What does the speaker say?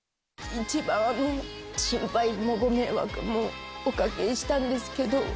一番心配もご迷惑もおかけしたんですけど。